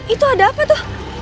itu ada apa tuh